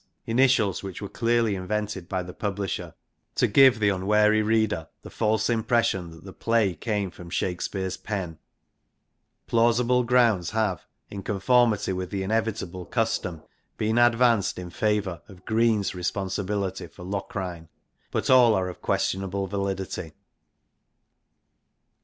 initials which were clearly invented by the publisher to give the unwary reader the false impression that the play came from Shakespeare's pen ; plausible grounds have, in con formity with the inevitable custom, been advanced in favour xxii INTRODUCTION of Greene's responsibility for Locrine, but all are of questionable validity.